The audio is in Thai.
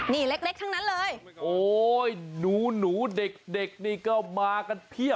นี่เล็กทั้งนั้นเลยโอ๊ยหนูเด็กนี่ก็มากันเพียบ